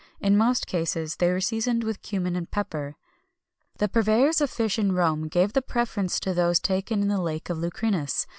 In most cases they were seasoned with cummin and pepper.[XXI 214] The purveyors of fish in Rome gave the preference to those taken in the lake of Lucrinus.